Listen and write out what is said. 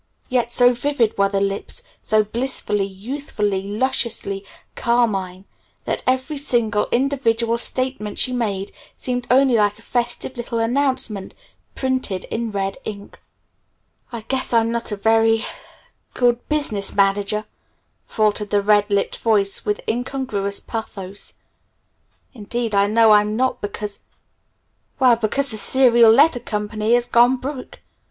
Yet so vivid were the lips, so blissfully, youthfully, lusciously carmine, that every single, individual statement she made seemed only like a festive little announcement printed in red ink. "I guess I'm not a very good business manager," faltered the red lipped voice with incongruous pathos. "Indeed I know I'm not because well because the Serial Letter Co. has 'gone broke!